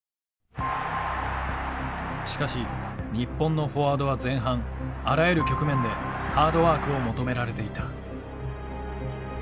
しかし日本のフォワードは前半あらゆる局面でハードワークを求められていた。